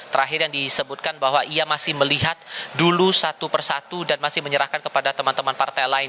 terakhir yang disebutkan bahwa ia masih melihat dulu satu persatu dan masih menyerahkan kepada teman teman partai lain